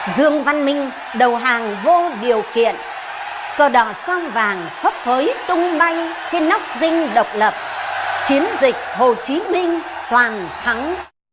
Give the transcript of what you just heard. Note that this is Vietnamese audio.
dương văn minh đầu hàng vô điều kiện cờ đỏ son vàng khắp phới tung bay trên nóc rình độc lập chiến dịch hồ chí minh toàn thắng